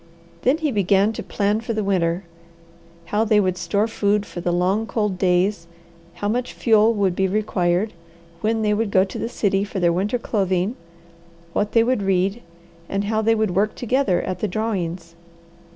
Then he began to plan for the winter; how they would store food for the long, cold days, how much fuel would be required, when they would go to the city for their winter clothing, what they would read, and how they would work together at the drawings.